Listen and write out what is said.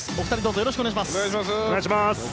よろしくお願いします。